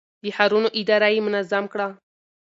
د ښارونو اداره يې منظم کړه.